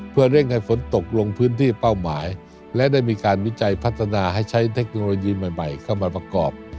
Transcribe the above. เพื่อเร่งให้ฝนตกลงพื้นที่เป้าหมายและได้มีการวิจัยพัฒนาให้ใช้เทคโนโลยีใหม่ใหม่เข้ามาประกอบ